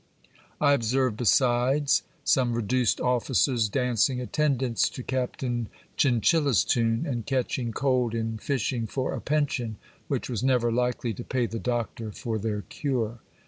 I observed besides some reduced officers dancing attendance to Captain Chin chilla's tune, and catching cold in fishing for a pension, which was never likely to pay the doctor for their cure.